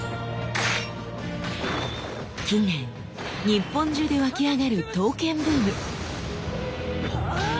近年日本中で沸き上がる刀剣ブーム。